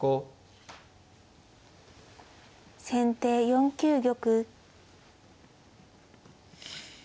先手４九玉。